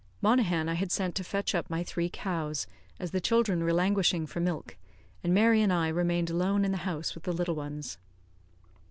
Monaghan I had sent to fetch up my three cows, as the children were languishing for milk, and Mary and I remained alone in the house with the little ones.